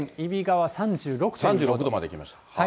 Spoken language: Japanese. ３６度までいきました。